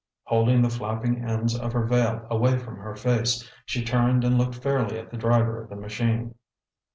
Holding the flapping ends of her veil away from her face, she turned and looked fairly at the driver of the machine.